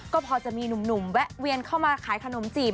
ก็พอจะมีหนุ่มแวะเวียนเข้ามาขายขนมจีบ